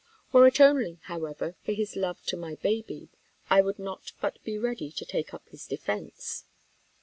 Were it only, however, for his love to my baby, I could not but be ready to take up his defence.